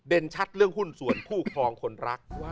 ชัดเรื่องหุ้นส่วนคู่ครองคนรัก